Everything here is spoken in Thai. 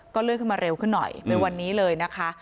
เลื่อนขึ้นมาเร็วขึ้นหน่อยเป็นวันนี้เลยนะคะ